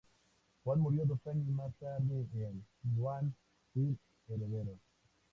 Juan murió dos años más tarde en Ruan sin herederos.